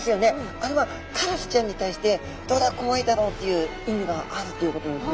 あれはカラスちゃんに対して「どうだ！怖いだろう」っていう意味があるっていうことなんですね。